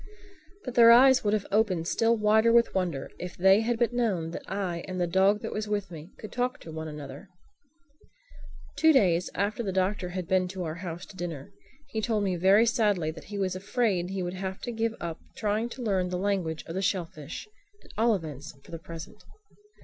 But their eyes would have opened still wider with wonder if they had but known that I and the dog that was with me could talk to one another. Two days after the Doctor had been to our house to dinner he told me very sadly that he was afraid that he would have to give up trying to learn the language of the shellfish—at all events for the present.